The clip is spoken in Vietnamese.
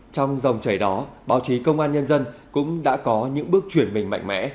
trong dòng chảy đó báo chí công an nhân dân cũng đã có những bước chuyển mình mạnh mẽ